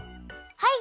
はい。